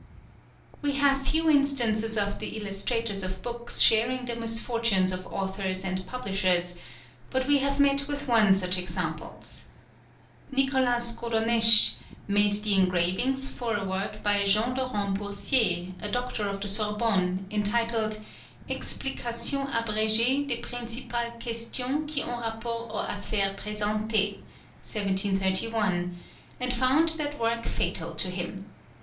We have few instances of the illustrators of books sharing the misfortunes of authors and publishers, but we have met with one such example. Nicolas Godonesche made the engravings for a work by Jean Laurent Boursier, a doctor of the Sorbonne, entitled Explication abrégée des principales questions qui ont rapport aux affaires présentes (1731, in 12), and found that work fatal to him.